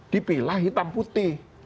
dipilah hitam putih